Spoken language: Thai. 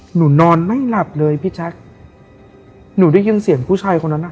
หนูนอนไม่หลับเลยพี่แจ๊คหนูได้ยินเสียงผู้ชายคนนั้นอ่ะ